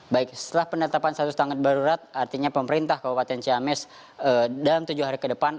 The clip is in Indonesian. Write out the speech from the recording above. baik setelah penetapan status tanggap darurat artinya pemerintah kabupaten ciamis dalam tujuh hari ke depan